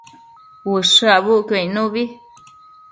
Ushë abucquio icnubi